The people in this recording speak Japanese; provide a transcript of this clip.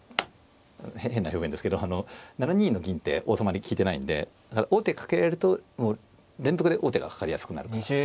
変な表現ですけど７二の銀って王様に利いてないんで王手かけられると連続で王手がかかりやすくなるから。